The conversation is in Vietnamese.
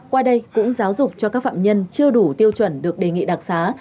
qua đây cũng giáo dục cho các phạm nhân chưa đủ tiêu chuẩn được đề nghị đặc xá